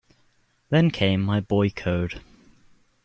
Then came my boy code.